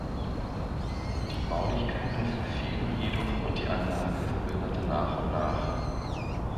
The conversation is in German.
Die Baulichkeiten verfielen jedoch und die Anlage verwilderte nach und nach.